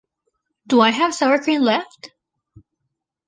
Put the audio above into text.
Do I have sour cream left?